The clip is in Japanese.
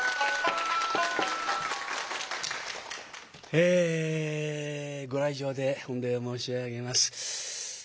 えご来場で御礼申し上げます。